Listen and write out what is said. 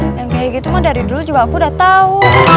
yang kayak gitu mah dari dulu juga aku udah tau